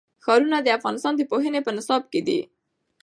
ښارونه د افغانستان د پوهنې په نصاب کې دي.